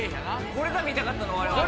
これが見たかったのわれわれ。